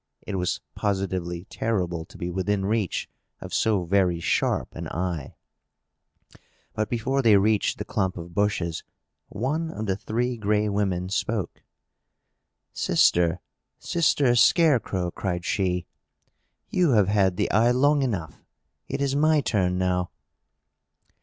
it was positively terrible to be within reach of so very sharp an eye! But, before they reached the clump of bushes, one of the Three Gray Women spoke. "Sister! Sister Scarecrow!" cried she, "you have had the eye long enough. It is my turn now!"